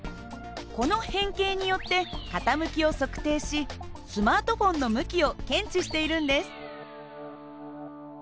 この変形によって傾きを測定しスマートフォンの向きを検知しているんです。